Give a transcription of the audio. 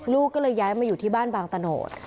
ลูกก็เลยย้ายมาอยู่ที่บ้านบางตะโนธ